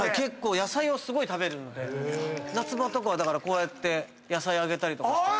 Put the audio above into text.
野菜をすごい食べるので夏場とかはこうやって野菜あげたりとかして。